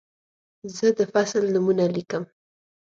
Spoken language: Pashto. زه د فصل نومونه لیکم.